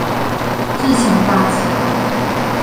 自強大橋